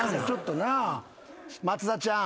松田ちゃん。